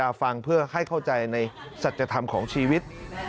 ให้คุณลินดาฟังเพื่อให้เข้าใจในศัตรยธรรมของชีวิต